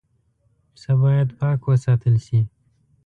پسه باید پاک وساتل شي.